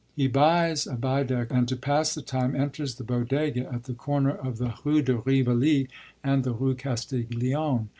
He buys a Baedeker, and, to pass the time, enters the 'Bodéga' at the corner of the Rue de Rivoli and the Rue Castiglione.